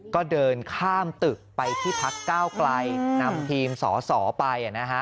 ก็เดินข้ามตึกไปที่พักก้าวไกลนำทีมสสไปนะฮะ